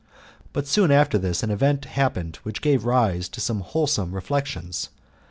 But soon after this an event happened which gave rise to some wholesome reflections.